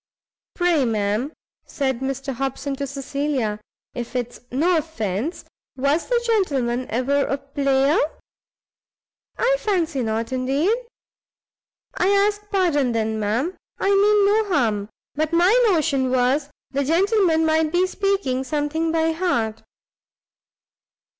"Pray, ma'am," said Mr Hobson, to Cecilia, "if it's no offence, was the Gentleman ever a player?" "I fancy not, indeed!" "I ask pardon, then, ma'am; I mean no harm; but my notion was the gentleman might be speaking something by heart."